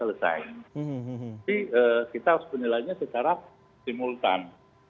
dan nilainya secara simultan